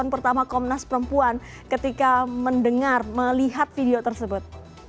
pertama komnas perempuan ketika mendengar melihat video tersebut